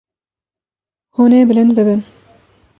Hûn ê bilind bibin.